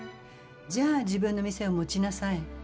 じゃあ自分の店を持ちなさい。